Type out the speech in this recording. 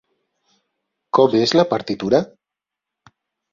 Com és la partitura?